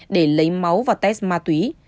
để lấy máu và test ma túy